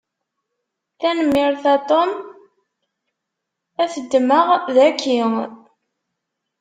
Tanemmirt a Tom, ad t-ddmeɣ daki.